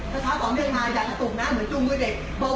เช้าต่อเนื่องมาอยากจะตกน้ำเหมือนจุงมือเด็ก